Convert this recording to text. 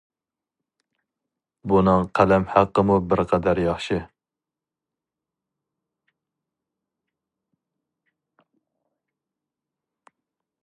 بۇنىڭ قەلەم ھەققىمۇ بىر قەدەر ياخشى.